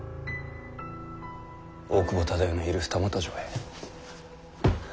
大久保忠世のいる二俣城へ。